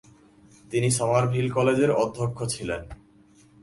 তিনি সামারভিল কলেজের অধ্যক্ষ ছিলেন।